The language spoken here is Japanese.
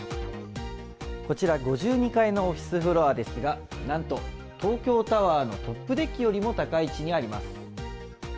こちら、５２階のオフィスフロアですが、なんと東京タワーのトップデッキよりも高い位置にあります。